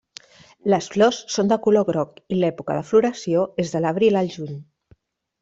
Les flors són de color groc i l'època de floració és de l'abril al juny.